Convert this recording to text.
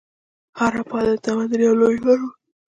هراپا د دې تمدن یو لوی ښار و.